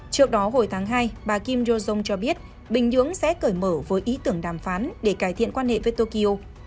trước đó hồi tháng hai bà kim jong cho biết bình nhưỡng sẽ cởi mở với ý tưởng đàm phán để cải thiện quan hệ với tokyo